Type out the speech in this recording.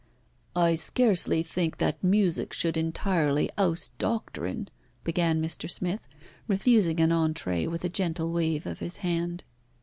"I scarcely think that music should entirely oust doctrine," began Mr. Smith, refusing an entrée with a gentle wave of his hand.